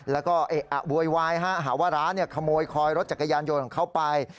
แล้วก็เอะอ่ะอวยวายฮะหาว่าร้านเนี่ยขโมยคอยรถจักรยานยนต์ของเขาไป